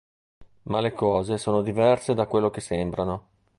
Ma le cose sono diverse da quello che sembrano.